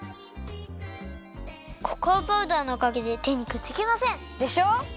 ココアパウダーのおかげでてにくっつきません！でしょ！